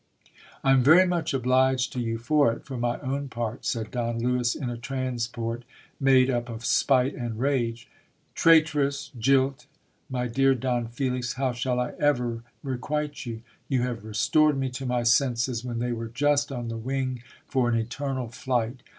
I am very much obliged to you for it for my own part, said Don Lewis in a transport made up of spite and rage. Traitress ! Jilt ! My dear Don Felix, how shall I ever requite you ! You have restored me to my senses when they were just on the wing for an eternal flight.